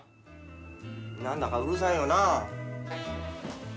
何だかうるさいよな。